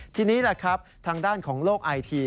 ทีนี้แหละครับทางด้านของโลกไอที